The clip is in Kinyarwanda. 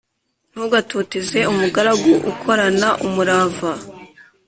Ntugatoteze umugaragu ukorana umurava,